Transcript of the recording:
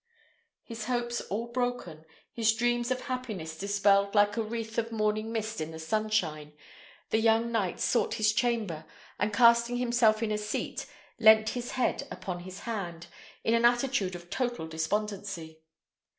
His hopes all broken, his dream of happiness dispelled like a wreath of morning mist in the sunshine, the young knight sought his chamber, and casting himself in a seat, leant his head upon his hands, in an attitude of total despondency.